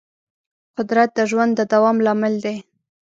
قدرت د ژوند د دوام لامل دی.